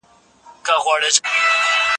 دخوښۍ سرود به خپور وي